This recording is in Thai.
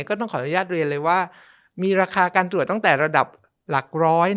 ก็ต้องขออนุญาตเรียนเลยว่ามีราคาการตรวจตั้งแต่ระดับหลักร้อย